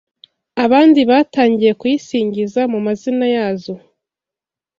Abandi batangiye kuyisingiza mu mazina yazo